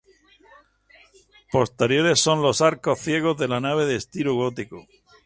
Posteriores son los arcos ciegos de la nave de estilo gótico.